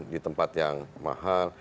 di tempat yang mahal